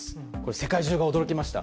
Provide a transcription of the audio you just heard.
世界中が驚きました。